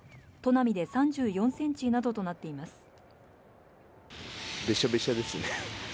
砺波で３４センチなどとなっています